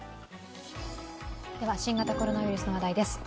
新型コロナウイルスの話題です。